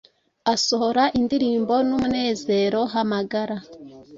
asohora indirimbo n umunezero Hamagara